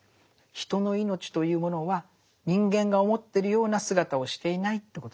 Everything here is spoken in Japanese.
人の命というものは人間が思ってるような姿をしていないってことですよね。